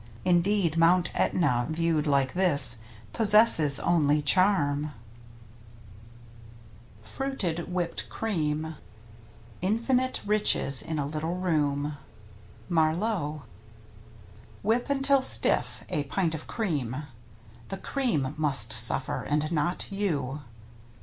Indeed, Mt. Etna viewed like this Possesses only charm. 57 mVftntXi Mneintfii Vp FRUITED WHIPPED CREAM Infinite riches in a little room. — Marlowe. Whip until stiff a pint of cream (The cream must suffer, and not you!)